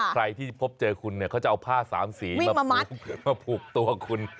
ใครที่พบเจอคุณเขาจะเอาผ้าสามสีมาผูกตัวคุณ